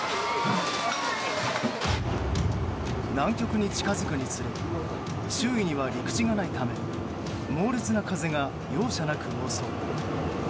南極に近付くにつれ周囲には陸地がないため猛烈な風が容赦なく襲う。